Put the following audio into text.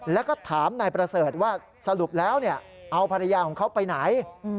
แล้วก็ถามนายประเสริฐว่าสรุปแล้วเอาภรรยาของเขาไปไหน